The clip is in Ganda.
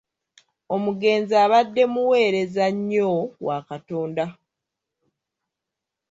Omugenzi abadde muweereza nnyo wa Katonda.